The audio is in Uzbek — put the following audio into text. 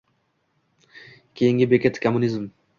“Keyingi bekat kommunizm”.